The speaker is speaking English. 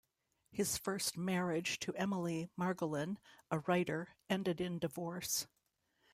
His first marriage to Emily Margolin, a writer, ended in divorce.